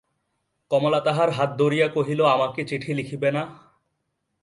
কমলা তাহার হাত ধরিয়া কহিল, আমাকে চিঠি লিখিবে না?